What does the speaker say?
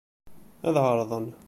Ad ɛerḍen.